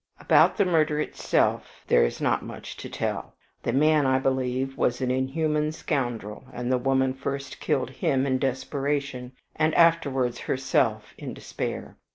"About the murder itself there is not much to tell. The man, I believe, was an inhuman scoundrel, and the woman first killed him in desperation, and afterwards herself in despair.